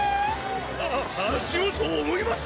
アッシもそう思います！